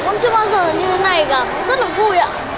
con chưa bao giờ như thế này cả rất là vui ạ